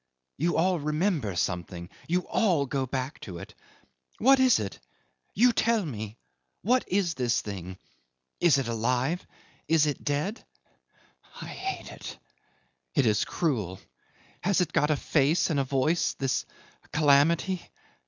You all remember something! You all go back to it. What is it? You tell me! What is this thing? Is it alive? is it dead? I hate it. It is cruel. Has it got a face and a voice this calamity?